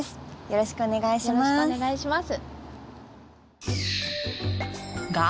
よろしくお願いします。